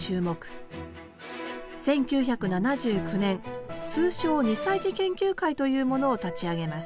１９７９年通称「２歳児研究会」というものを立ち上げます。